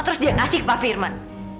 terus dia kasih ke pak firman